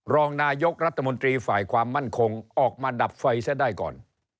รองนายกรัฐมนตรีฝ่ายความมั่นคงออกมาดับไฟซะได้ก่อน